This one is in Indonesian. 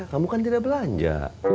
kamu kan tidak belanja